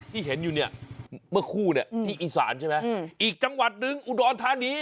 ที่เห็นอยู่เนี่ยเมื่อคู่เนี่ยที่อีสานใช่ไหมอีกจังหวัดหนึ่งอุดรธานี